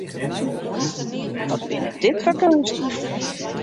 Wat binne dit foar keunsten!